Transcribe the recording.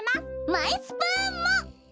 マイスプーンも！